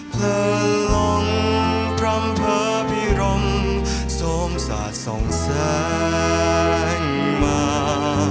เผลอลงพรำเผอพิรมสมสาจส่องแสงมา